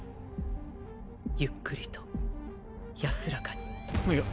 ゆっくりと安らかに。